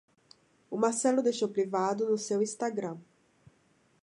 O Marcelo deixou privado no seu Instagram